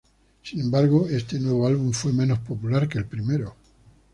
Sin embargo, este nuevo álbum fue menos popular que el primero.